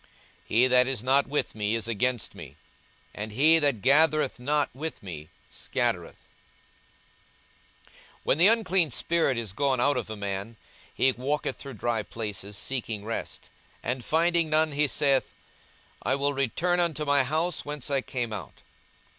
42:011:023 He that is not with me is against me: and he that gathereth not with me scattereth. 42:011:024 When the unclean spirit is gone out of a man, he walketh through dry places, seeking rest; and finding none, he saith, I will return unto my house whence I came out.